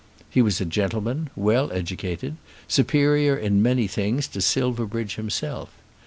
He was a gentleman, well educated, superior in many things to Silverbridge himself.